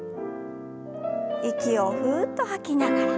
息をふっと吐きながら。